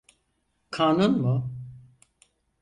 Kanun mu?